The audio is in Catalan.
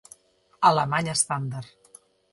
Alemany estàndard.